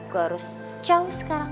gue harus jauh sekarang